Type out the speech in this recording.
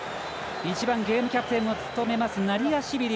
１番、ゲームキャプテンを務めます、ナリアシビリ。